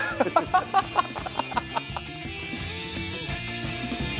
ハハハハ！